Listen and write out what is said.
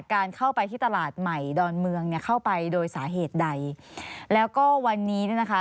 การเข้าไปที่ตลาดใหม่ดอนเมืองเนี่ยเข้าไปโดยสาเหตุใดแล้วก็วันนี้เนี่ยนะคะ